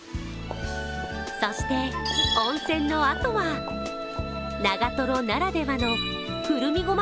そして、温泉のあとは長瀞ならではのくるみごま